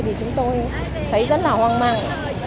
thì chúng tôi thấy rất là hoang mang